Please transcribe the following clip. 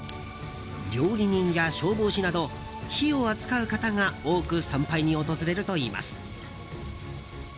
料理人や消防士など火を扱う方が多く参拝に訪れるといいます。